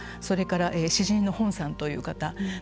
それから詩人のホンさんという方。